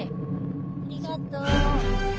ありがとう。